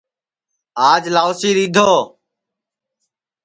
آج لاؤسی رِیدھو